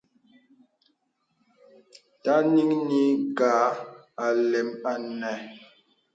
Taŋi nī kǎ ālɛn anə̄.